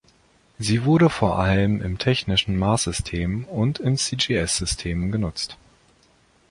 Sie wurde vor allem im Technischen Maßsystem und in cgs-Systemen genutzt.